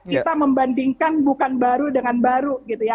kita membandingkan bukan baru dengan baru gitu ya